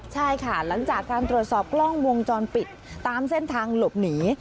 ใช่ค่ะหลังจากการตรวจสอบกล้องวงจรปิดตามเส้นทางหลบหนี